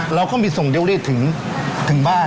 เราก็มีส่งเดลลี่ถึงบ้าน